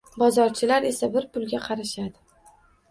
Bozorchilar esa bir pulga qarashadi